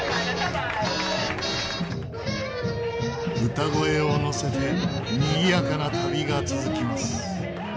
歌声を乗せてにぎやかな旅が続きます。